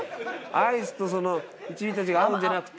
アイスとその七味たちが合うんじゃなくて。